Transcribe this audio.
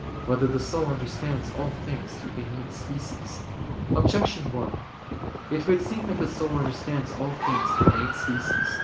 3] Whether the Soul Understands All Things Through Innate Species? Objection 1: It would seem that the soul understands all things through innate species.